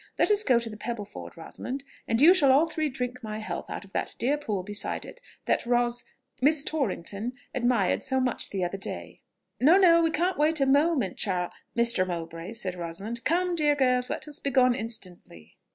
Let us go to the Pebble Ford, Rosalind; and you shall all three drink my health out of that dear pool beside it, that Ros.... Miss Torrington admired so much the other day." "No, no, we can't wait a moment, Char.... Mr. Mowbray " said Rosalind. "Come, dear girls, let us be gone instantly."